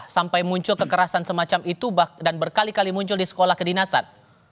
sampai muncul kekerasan semacam itu dan berkali kali muncul di sekolah kedinasan